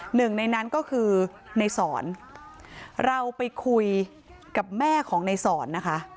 หนึ่งในนั้นก็คือในสอนเราไปคุยกับแม่ของในสอนนะคะ